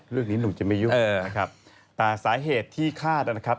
เรื่องนี้หนุ่มจะไม่ยุ่งนะครับแต่สาเหตุที่ข้าดนะครับ